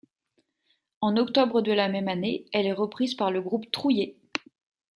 En octobre de la même année, elle est reprise par le groupe Trouillet.